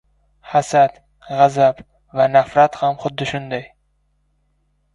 – Hasad, gʻazab va nafrat ham xuddi shunday.